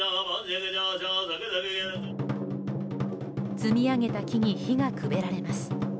積み上げた木に火がくべられます。